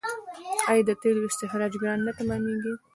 آیا د تیلو استخراج ګران نه تمامېږي؟